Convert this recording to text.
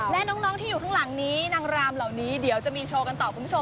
และน้องที่อยู่ข้างหลังนี้นางรามเหล่านี้เดี๋ยวจะมีโชว์กันต่อคุณผู้ชม